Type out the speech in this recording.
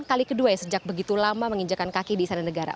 kali kedua ya sejak begitu lama menginjakan kaki di istana negara